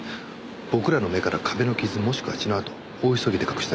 僕らの目から壁の傷もしくは血の跡を大急ぎで隠したのかも。